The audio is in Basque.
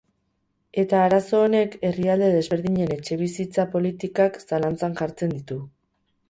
Eta arazo honek herrialde desberdinen etxebizitza-politikak zalantzan jartzen ditu.